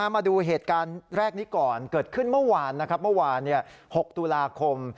มาดูเหตุการณ์แรกนี้ก่อนเกิดขึ้นเมื่อวาน๖ตุลาคม